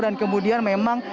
dan kemudian memang